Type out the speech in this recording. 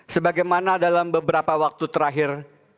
sebagaimana dalam beberapa waktu terakhir